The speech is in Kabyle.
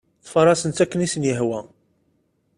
Ttfarasen-tt akken i asen-yehwa.